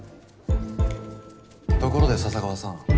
ところで笹川さん。